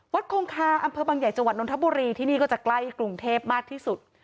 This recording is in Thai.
คงคาอำเภอบางใหญ่จังหวัดนทบุรีที่นี่ก็จะใกล้กรุงเทพมากที่สุด